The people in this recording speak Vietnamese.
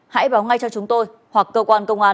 hãy báo ngay cho chúng tôi hoặc cơ quan công an